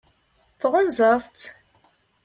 Tɣunzaḍ-tt?